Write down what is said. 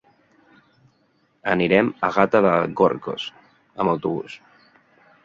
Anirem a Gata de Gorgos amb autobús.